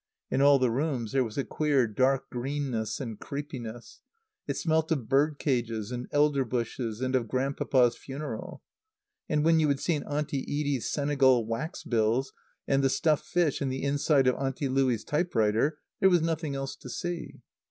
In all the rooms there was a queer dark greenness and creepiness. It smelt of bird cages and elder bushes and of Grandpapa's funeral. And when you had seen Auntie Edie's Senegal wax bills, and the stuffed fish, and the inside of Auntie Louie's type writer there was nothing else to see.